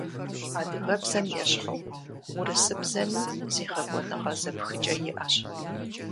Адыгэбзэм ещхьу урысыбзэми зегъэкӏуэныгъэ зэпхыкӏэ иӏэщ.